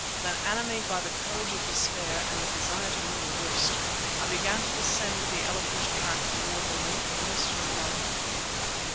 Then, animated by the courage of despair and a desire to know the worst, I began to descend the elephant track towards the lake almost at a run.